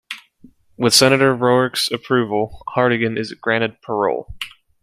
With Senator Roark's approval, Hartigan is granted parole.